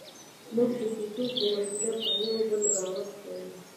موږ د کیسو په وسیله پر یوه بل باور کوو.